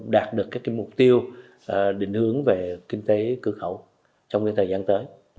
đạt được cái mục tiêu định hướng về kinh tế cửa khẩu trong cái thời gian tới